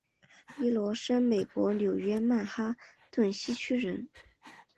伊罗生美国纽约曼哈顿西区人。